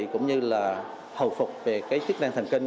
cũng như là hầu phục về chức năng thần kinh